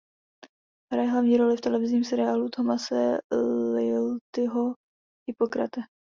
Hraje hlavní roli v televizním seriálu Thomase Liltiho "Hippocrate".